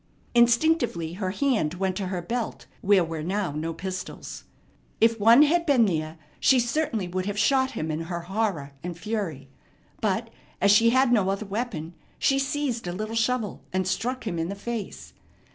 Instinctively her hand went to her belt, where were now no pistols. If one had been there she certainly would have shot him in her horror and fury. But, as she had no other weapon, she seized a little shovel, and struck him in the face.